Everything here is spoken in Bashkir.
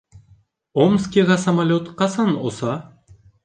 Омскиға самолет ҡасан оса?